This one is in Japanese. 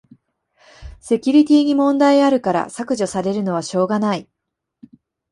セキュリティに問題あるから削除されるのはしょうがない